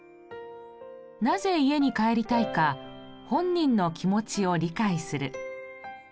なぜ家に帰りたいか本人の気持ちを理解する。